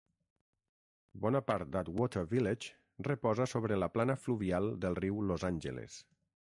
Bona part d'Atwater Village reposa sobre la plana fluvial del riu Los Angeles.